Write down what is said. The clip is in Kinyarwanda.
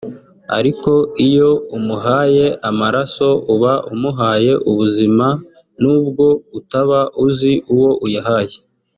Ariko iyo umuhaye amaraso uba umuhaye ubuzima nubwo utaba uzi uwo uyahaye